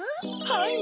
はい！